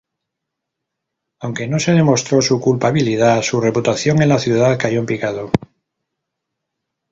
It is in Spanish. Aunque no se demostró su culpabilidad, su reputación en la ciudad cayó en picado.